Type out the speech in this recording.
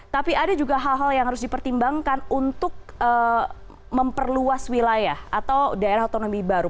tapi ada juga hal hal yang harus dipertimbangkan untuk memperluas wilayah atau daerah otonomi baru